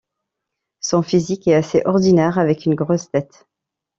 Son physique est assez ordinaire, avec une grosse tête.